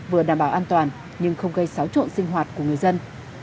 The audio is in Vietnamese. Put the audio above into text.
vừa đảm bảo an toàn nhưng không gây xáo trộn sinh hoạt của người dân